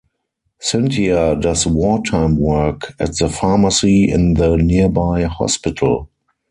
Cynthia does war-time work at the pharmacy in the nearby hospital.